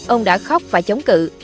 ông đã khóc và chống cự